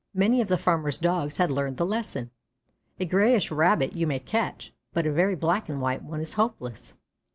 Many of the farmers' Dogs had learned the lesson: "A grayish Rabbit you may catch, but a very black and white one is hopeless."